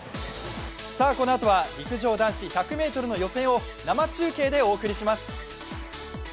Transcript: このあとは陸上男子１００ｍの予選を生中継でお届けします。